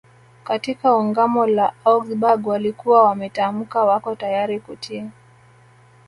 Katika Ungamo la Augsburg walikuwa wametamka wako tayari kutii